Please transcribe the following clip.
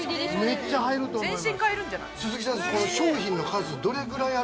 ◆めっちゃ入ると思います。